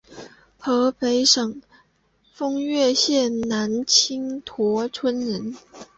河北省丰润县南青坨村人。